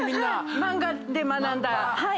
漫画で学んだ。